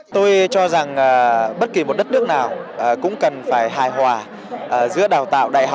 tôi cho rằng bất kỳ một đất nước nào cũng cần phải hài hòa giữa đào tạo đại học